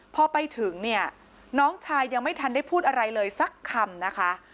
พอไปถึงเนี่ยน้องชายยังไม่ทันได้พูดอะไรเลยสักคำนะคะ